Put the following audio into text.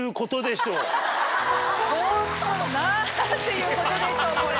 ホント何ていうことでしょうこれ。